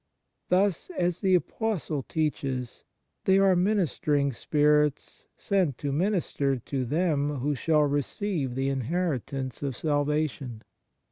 Thus, as the Apostle teaches, they are " minister ing spirits sent to minister to them who shall receive the inheritance of salvation."